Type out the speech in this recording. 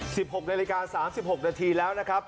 หกนาฬิกาสามสิบหกนาทีแล้วนะครับ